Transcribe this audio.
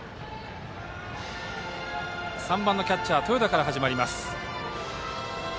３番のキャッチャー豊田からです。